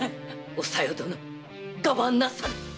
お小夜殿我慢なされ！